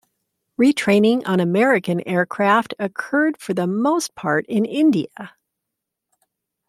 Retraining on American aircraft occurred for the most part in India.